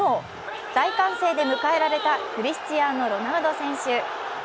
大歓声で迎えられたクリスチアーノ・ロナウド選手。